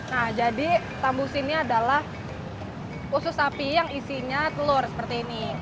nah jadi tambus ini adalah usus sapi yang isinya telur seperti ini